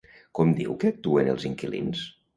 Com diu que actuen els inquilins?